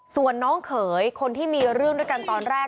ส่วนน้องเขยคนที่มีเรื่องด้วยกันตอนแรก